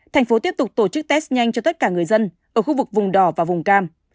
thành phố tiếp tục tổ chức test nhanh cho tất cả người dân ở khu vực vùng đỏ và vùng cam